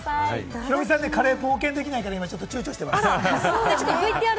ヒロミさん、カレー、冒険できないから、今、躊躇しています。